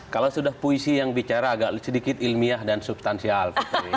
kalau sudah puisi yang bicara agak sedikit ilmiah dan substansial